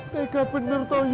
tegak bener toh